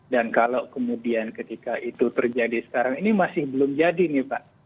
dan kalau kemudian ketika itu terjadi sekarang ini masih belum jadi nih pak